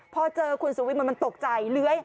พอเจอคุณสุวิทมันตกใจเลื้อย